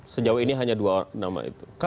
sejauh ini hanya dua nama itu